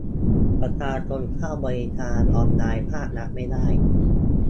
ประชาชนเข้าบริการออนไลน์ภาครัฐไม่ได้